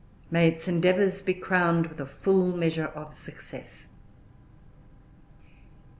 May its endeavours be crowned with a full measure of success!